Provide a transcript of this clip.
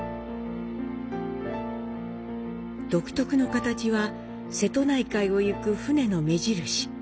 独特の形は瀬戸内海を行く船の目印。